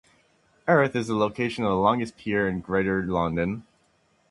Erith is the location of the longest pier in Greater London.